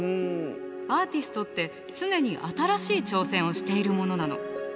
アーティストって常に新しい挑戦をしているものなの。